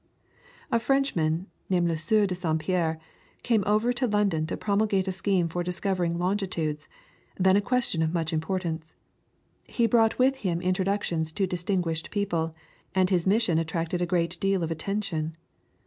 A Frenchman, named Le Sieur de S. Pierre, came over to London to promulgate a scheme for discovering longitudes, then a question of much importance. He brought with him introductions to distinguished people, and his mission attracted a great deal of attention.